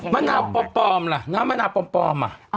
มะนาวปลอมล่ะน้ำมะนาวปลอมอ่ะ